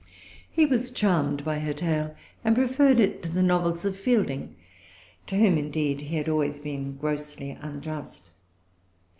He was charmed by her tale, and preferred it to the novels of Fielding, to whom, indeed, he had always been grossly unjust.